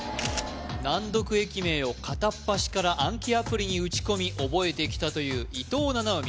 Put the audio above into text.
難読駅名を片っ端から暗記アプリに打ち込み覚えてきたという伊藤七海